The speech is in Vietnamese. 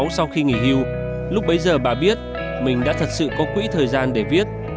sau khi nghỉ hưu lúc bấy giờ bà biết mình đã thật sự có quỹ thời gian để viết